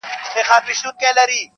نه ماتېږي مي هیڅ تنده بېله جامه-